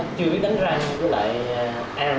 thì nó chưa biết đánh răng cứ lại ăn